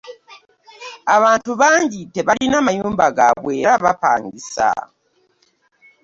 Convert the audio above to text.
Abantu bangi tebalina mayumba gabwe era bapangisa.